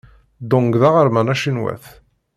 Dong d aɣerman acinwat.